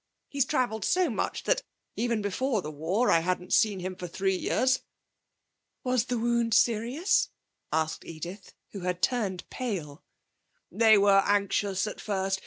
He's travelled so much that even before the war I hadn't seen him for three years.' 'Was the wound serious?' asked Edith, who had turned pale. 'They were anxious at first.